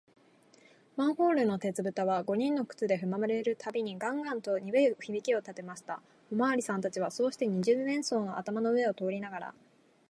マンホールの鉄ぶたは、五人の靴でふまれるたびに、ガンガンとにぶい響きをたてました。おまわりさんたちは、そうして、二十面相の頭の上を通りながら、